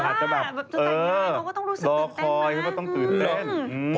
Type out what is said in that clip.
จะแต่งงานเขาก็ต้องรู้สึกตื่นเต้นนะ